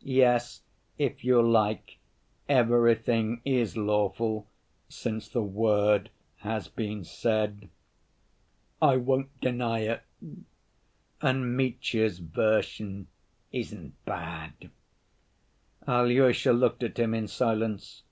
"Yes, if you like, 'everything is lawful' since the word has been said. I won't deny it. And Mitya's version isn't bad." Alyosha looked at him in silence.